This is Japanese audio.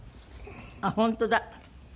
あっ本当だ。